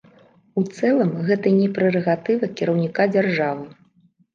У цэлым гэта не прэрагатыва кіраўніка дзяржавы.